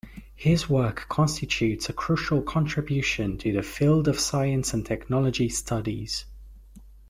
His work constitutes a crucial contribution to the field of science and technology studies.